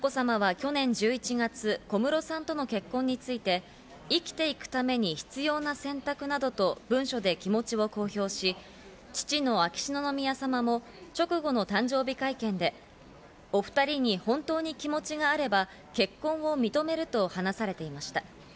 去年１１月、小室さんとの結婚について、生きていくために必要な選択などと文書で気持ちを公表し、父の秋篠宮さまも直後の誕生日会見で、お２人に本当に気持ちがあれば結婚を認めると話されていました。